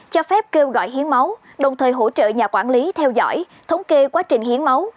cho phép kêu gọi hiến máu đồng thời hỗ trợ nhà quản lý theo dõi thống kê quá trình hiến máu